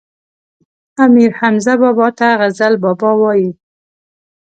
امير حمزه بابا ته غزل بابا وايي